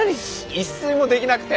一睡もできなくて。